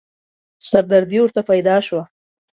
سردردې ورته پيدا شوه.